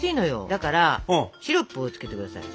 だからシロップをつけて下さい。